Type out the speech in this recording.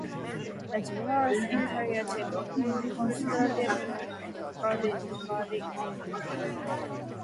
The jurors retire to consider their verdict.